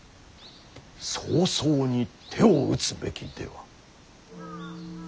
早々に手を打つべきでは。